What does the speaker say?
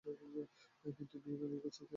কিন্তু বিয়ে ভেঙ্গে গেছে এটা নিশ্চিত।